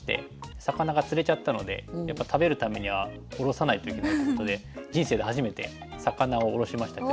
魚が釣れちゃったのでやっぱり食べるためにはおろさないといけないっていうことで人生で初めて魚をおろしましたけど。